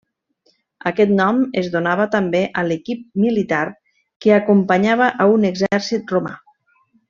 Aquest nom es donava també a l'equip militar que acompanyava a un exèrcit romà.